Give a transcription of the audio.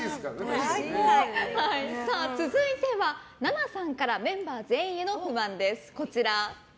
続いてはＮＡＮＡさんからメンバー全員への不満です。